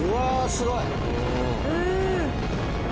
すごい。